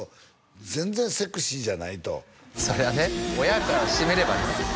「全然セクシーじゃない」とそりゃね親からしてみればね